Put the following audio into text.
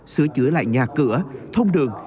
sửa chữa lại nhà cửa thông đường